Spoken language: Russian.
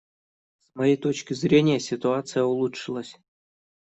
С моей точки зрения, ситуация улучшилась.